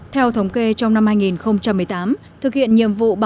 theo thống kê trong năm hai nghìn một mươi tám